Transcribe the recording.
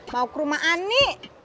mau ke rumah ani